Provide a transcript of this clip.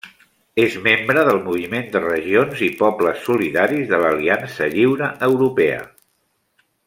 És membre del Moviment de Regions i Pobles Solidaris de l'Aliança Lliure Europea.